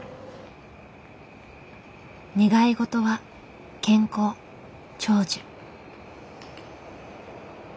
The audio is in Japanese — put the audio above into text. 願い事は「健康長寿」。